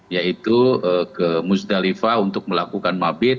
yaitu ke musdalifah untuk melakukan mabit